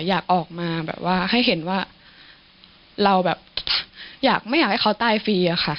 อยากออกมาแบบว่าให้เห็นว่าเราแบบอยากไม่อยากให้เขาตายฟรีอะค่ะ